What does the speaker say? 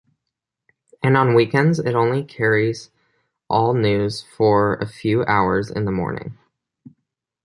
And on weekends it only carries all-news for a few hours in the morning.